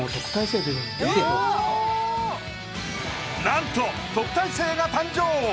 なんと特待生が誕生。